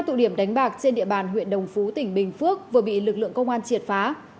tụ điểm đánh bạc trên địa bàn huyện đồng phú tỉnh bình phước vừa bị lực lượng công an triệt phá